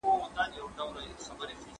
دولتي او خصوصي سکتورونه باید په ګډه کار وکړي.